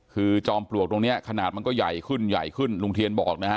คือจอมปลวกตรงนี้ขนาดมันก็ใหญ่ขึ้นใหญ่ขึ้นลุงเทียนบอกนะฮะ